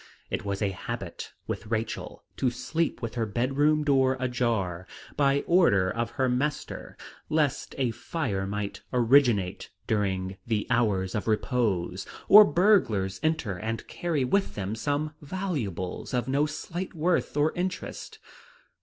It was a habit with Rachel to sleep with her bedroom door ajar, by order of her master, lest a fire might originate during the hours of repose, or burglars enter and carry with them some valuables of no slight worth or interest.